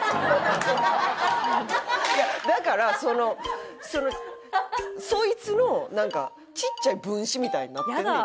いやだからそのそいつのちっちゃい分子みたいになってんねん今。